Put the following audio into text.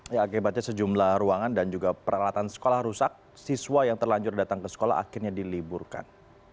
ya akibatnya sejumlah ruangan dan juga peralatan sekolah rusak siswa yang terlanjur datang ke sekolah akhirnya diliburkan